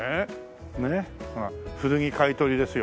ほら古着買い取りですよ。